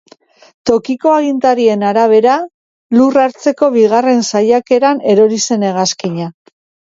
Tokiko agintarien arabera, lur hartzeko bigarren saiakeran erori zen hegazkina.